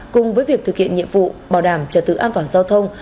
cùng với việc thực hiện nhiệm vụ bảo đảm trật tự an toàn giao thông